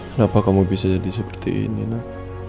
kenapa kamu bisa jadi seperti ini nak